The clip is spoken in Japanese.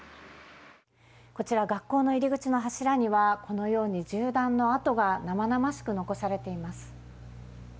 こちら学校の入り口の柱には、このように銃弾のあとが生々しく残されています。